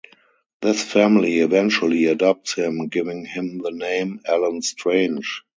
This family eventually adopts him, giving him the name "Allen Strange".